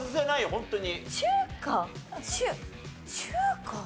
ホントに。